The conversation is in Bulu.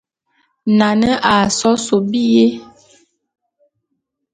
Nane a sob biyé.